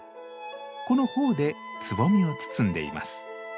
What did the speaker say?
この苞でつぼみを包んでいます。